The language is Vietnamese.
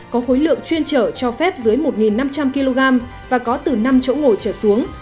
với lượng chuyên chở cho phép dưới một năm trăm linh kg và có từ năm chỗ ngồi chở xuống